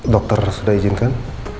dokter sudah izinkan